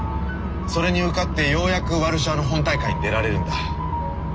それに受かってようやくワルシャワの本大会に出られるんだ。